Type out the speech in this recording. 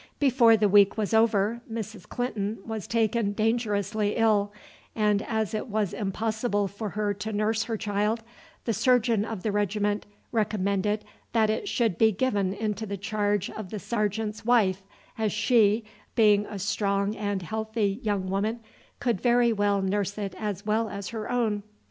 Before the week was over Mrs. Clinton was taken dangerously ill, and as it was impossible for her to nurse her child, the surgeon of the regiment recommended that it should be given into the charge of the sergeant's wife, as she, being a strong and healthy young woman, could very well nurse it as well as her own.